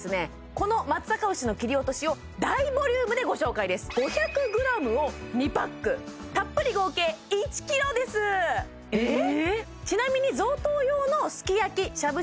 この松阪牛の切り落としを大ボリュームでご紹介です５００ｇを２パックたっぷり合計１ｋｇですえっ！？